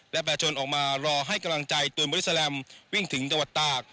และประชาชนออกมารอให้กำลังใจตูนบริสแลมวิ่งถึงจังหวัดตาก